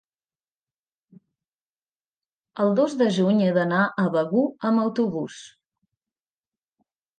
el dos de juny he d'anar a Begur amb autobús.